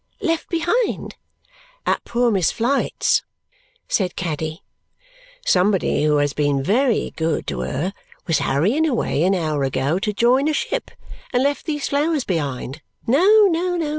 "Left behind?" "At poor Miss Flite's," said Caddy. "Somebody who has been very good to her was hurrying away an hour ago to join a ship and left these flowers behind. No, no!